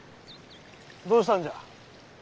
どうしたんじゃ？